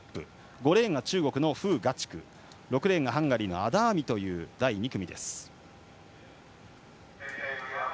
５レーン、中国の馮雅竹６レーンがハンガリーのアダーミという第２組。